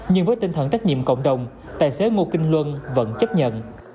nhưng với tinh thần trách nhiệm cộng đồng tài xế ngô kinh luân vẫn chấp nhận